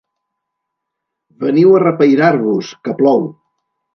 Veniu a repairar-vos, que plou.